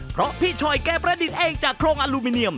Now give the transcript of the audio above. เพราะพี่ชอยแกประดิษฐ์เองจากโครงอลูมิเนียม